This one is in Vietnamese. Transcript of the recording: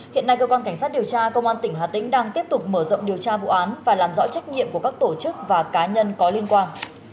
hiện nay cơ quan cảnh sát điều tra công an tỉnh hà tĩnh đang tiếp tục mở rộng điều tra vụ án và làm rõ trách nhiệm của các tổ chức và cá nhân có liên quan